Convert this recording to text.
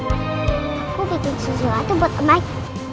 aku bikin sesuatu buat om baik